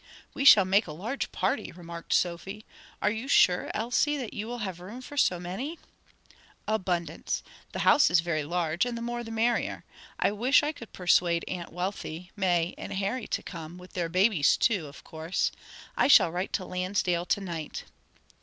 "We shall make a large party," remarked Sophie, "Are you sure, Elsie, that you will have room for so many?" "Abundance; the house is very large; and the more the merrier. I wish I could persuade Aunt Wealthy, May and Harry to come, with their babies too, of course. I shall write to Lansdale to night."